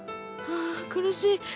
はあ苦しい。